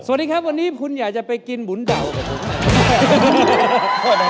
สวัสดีครับวันนี้คุณอยากจะไปกินหมุนเดา